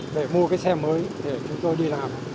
để mua cái xe mới để chúng tôi đi làm